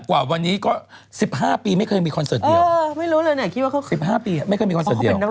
วันนี้ก็๑๕ปีมันไม่เคยมีคอนเสิร์ตเดียว